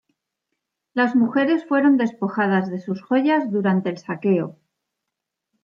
Las mujeres fueron despojadas de sus joyas durante el saqueo.